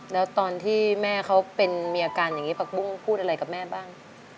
แล้วตอนที่แม่เขาเป็นมีอาการอย่างนี้ผักบุ้งพูดอะไรกับแม่บ้าง